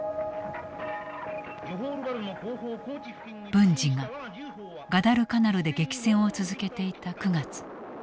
文次がガダルカナルで激戦を続けていた９月。